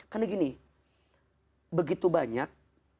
karena gini begitu banyak